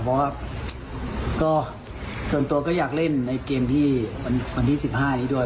เพราะว่าก็ส่วนตัวก็อยากเล่นในเกมที่วันที่๑๕นี้ด้วย